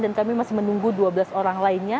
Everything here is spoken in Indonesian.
dan kami masih menunggu dua belas orang lainnya